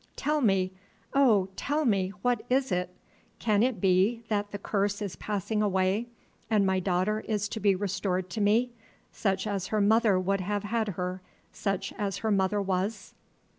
Tell me, oh, tell me, what is it? Can it be that the curse is passing away, and my daughter is to be restored to me, such as her mother would have had her, such as her mother was?"